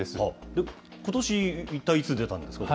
ことし、一体いつ出たんです